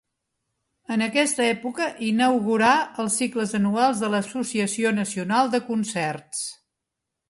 En aquesta època inaugurà els cicles anuals de l'Associació Nacional de Concerts.